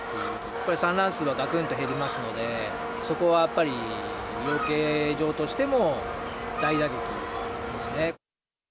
やっぱり産卵数ががくんと減りますので、そこはやっぱり、養鶏場としても大打撃ですね。